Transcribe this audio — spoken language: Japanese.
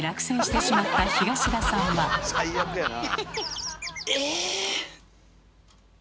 最悪やな。